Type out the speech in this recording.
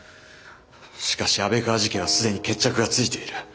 しかし安倍川事件は既に決着がついている。